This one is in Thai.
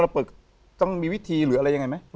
คุณเปิดยังไงต้องมีวิธีหรืออะไรยังไงไหม